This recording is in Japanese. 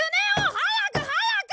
早く早く！